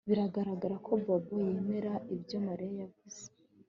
Biragaragara ko Bobo yemera ibyo Mariya yavuze